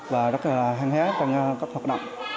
và rất là hân hế trong các hoạt động